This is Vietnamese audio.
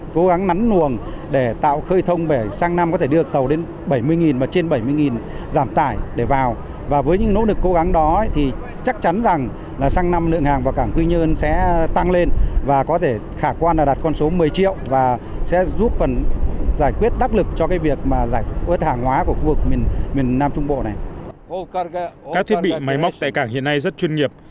các thiết bị máy móc tại cảng hiện nay rất chuyên nghiệp